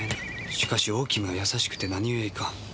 しかし大王が優しくて何故いかん？